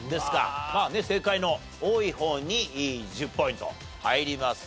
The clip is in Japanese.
まあね正解の多い方に１０ポイント入ります。